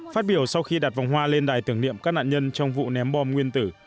phát biểu sau khi đặt vòng hoa lên đài tưởng niệm các nạn nhân trong vụ ném bom nguyên tử